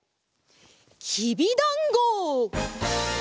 きびだんご！